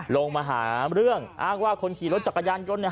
ลงมาหารั่งอ้างว่าถึงผู้ขี่รถจากกระยานยนต์เนี่ย